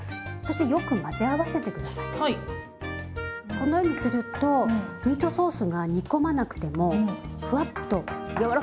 このようにするとミートソースが煮込まなくてもふわっと軟らかい仕上がりになるんです。